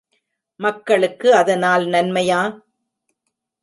மக்களுக்கு அதனால் நன்மையா?